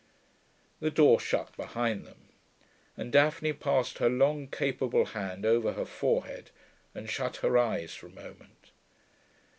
The door shut behind them, and Daphne passed her long, capable hand over her forehead and shut her eyes for a moment.